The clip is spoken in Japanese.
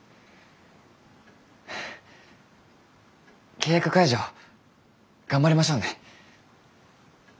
契約解除頑張りましょうね。